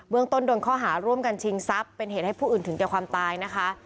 เมืองต้นโดนข้อหาร่วมกันชิงทรัพย์เป็นเหตุให้ผู้อื่นถึงแก่ความตายนะคะ